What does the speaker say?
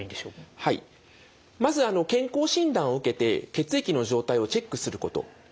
まず健康診断を受けて血液の状態をチェックすること。